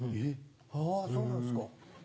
あぁそうなんですか。